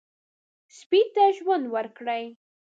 سپي ته ژوند ورکړئ.